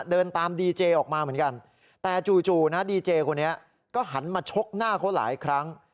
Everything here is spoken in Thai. เดินตามดีเจออกมาเหมือนกันแต่จู่นะดีเจคนนี้ก็หันมาชกหน้าเขาหลายครั้ง